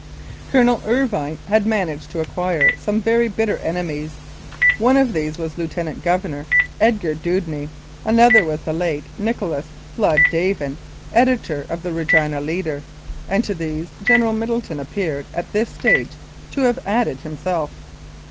Colonel Irvine had managed to acquire some very bitter enemies. One of these was Lieutenant Governor Edgar Dewdney, another was the late Nicholas Flood Davin, editor of the Regina Leader, and to these General Middleton appeared at this stage to have added himself.